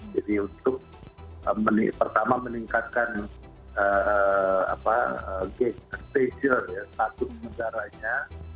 jadi untuk pertama meningkatkan status negaranya